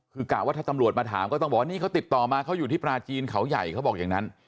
คือกะว่าถ้าตำรวจมาถามก็ต้องบอกว่านี่เขาติดต่อมาเขาอยู่ที่ปลาจีนเขาใหญ่เขาบอกอย่างนั้น